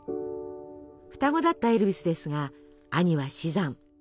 双子だったエルヴィスですが兄は死産。